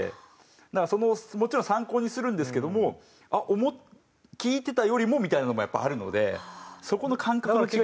だからもちろん参考にするんですけどもあっ聞いてたよりもみたいなのもやっぱあるのでそこの感覚の違い。